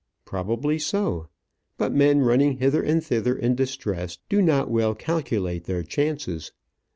Probably so. But men running hither and thither in distress do not well calculate their chances.